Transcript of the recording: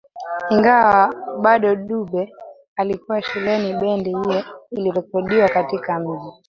Ingawa bado Dube alikuwa shuleni bendi hiyo ilirekodi katika mji